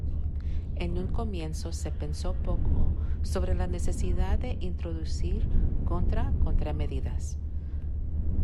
En un comienzo se pensó poco sobre la necesidad de introducir contra-contramedidas.